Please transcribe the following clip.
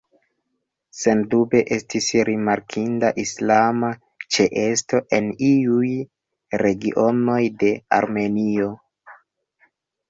Sendube, estis rimarkinda islama ĉeesto en iuj regionoj de Armenio.